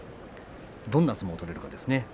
どんな相撲を取れるかですね。